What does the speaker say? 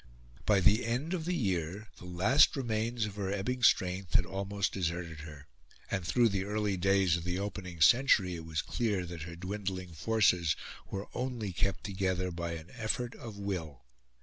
By the end of the year the last remains of her ebbing strength had almost deserted her; and through the early days of the opening century it was clear that her dwindling forces were only kept together by an effort of will.